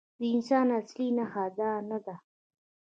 د انسان اصلي نښه دا نه ده.